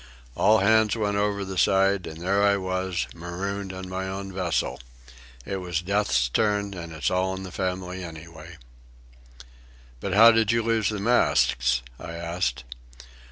All hands went over the side, and there I was, marooned on my own vessel. It was Death's turn, and it's all in the family anyway." "But how did you lose the masts?" I asked.